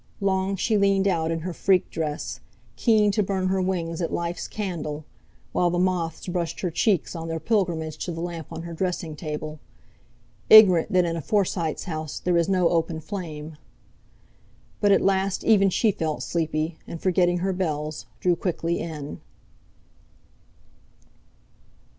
Long she leaned out in her freak dress, keen to burn her wings at life's candle; while the moths brushed her cheeks on their pilgrimage to the lamp on her dressing table, ignorant that in a Forsyte's house there is no open flame. But at last even she felt sleepy, and, forgetting her bells, drew quickly in.